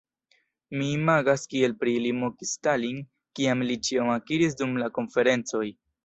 Mi imagas kiel pri ili mokis Stalin, kiam li ĉion akiris dum la konferencoj"...